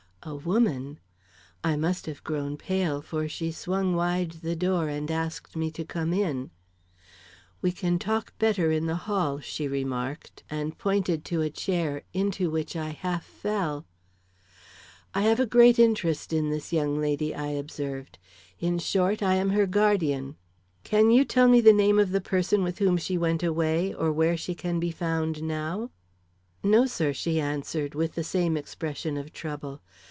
A woman! I must have grown pale, for she swung wide the door and asked me to come in. "We can talk better in the hall," she remarked, and pointed to a chair into which I half fell. "I have a great interest in this young lady," I observed; "in short, I am her guardian. Can you tell me the name of the person with whom she went away, or where she can be found now?" "No sir," she answered, with the same expression of trouble.